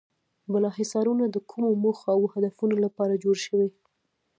بالا حصارونه د کومو موخو او هدفونو لپاره جوړ شوي.